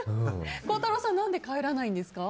孝太郎さん何で帰らないんですか？